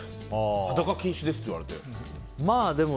裸禁止ですって言われて。